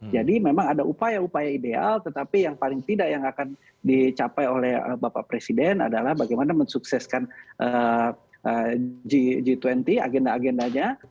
jadi memang ada upaya upaya ideal tetapi yang paling tidak yang akan dicapai oleh bapak presiden adalah bagaimana mensukseskan g dua puluh agenda agendanya